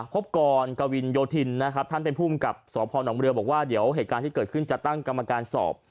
พบกรกวินโยธินนะครับท่านเป็นภูมิกับสพนเรือบอกว่าเดี๋ยวเหตุการณ์ที่เกิดขึ้นจะตั้งกรรมการสอบ